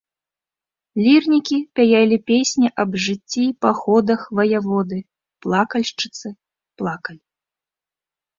Лірнікі пяялі песні аб жыцці і паходах ваяводы, плакальшчыцы плакалі.